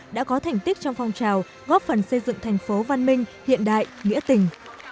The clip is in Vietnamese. đã có thành tích trong phong trào góp phần xây dựng thành phố văn minh hiện đại nghĩa tình